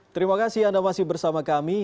terima kasih anda masih bersama kami